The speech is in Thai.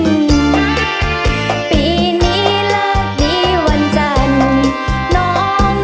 แม่หรือพี่จ๋าบอกว่าจะมาขอมัน